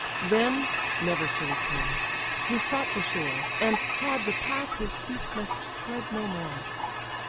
Then (never to return) he sought the shore, And trod the path his feet must tread no more.